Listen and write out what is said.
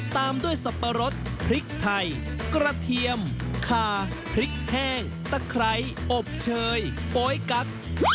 ตามด้วยสับปะรดพริกไทยกระเทียมคาพริกแห้งตะไครอบเชยโป๊ยกั๊ก